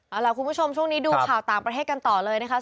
เอาล่ะคุณผู้ชมช่วงนี้ดูข่าวต่างประเทศกันต่อเลยนะคะ